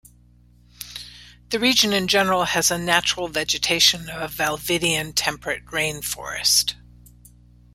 The region, in general, has a natural vegetation of Valdivian temperate rain forest.